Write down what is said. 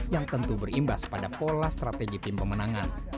yang tentu berimbas pada pola strategi tim pemenangan